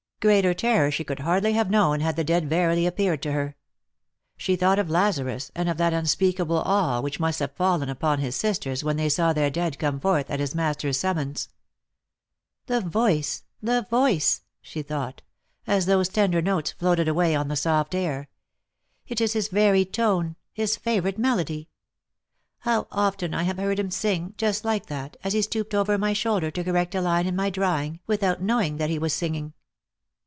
Greater terror she could hardly have known had the dead verily appeared to her. She thought of Lazarus, and of that unspeakable awe which must have fallen upon his sisters when they saw their dead come forth at his Master's summons. x 822 Lost for Love. "The voice — the voice!" she thought, as those tender notes floated away on the soft air. " It is his very tone — his favourite melody. How often I have heard him sing, just like that, as he stooped over my shoulder to correct a Mne in my drawing, without knowing that he was singing!"